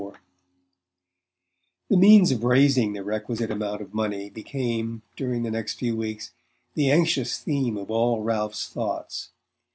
XXXIV The means of raising the requisite amount of money became, during the next few weeks, the anxious theme of all Ralph's thoughts.